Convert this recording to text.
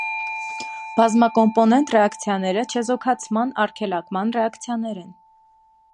Բազմակոմպոնենտ ռեակցիաները չեզոքացման, արգելակման ռեակցիաներ են։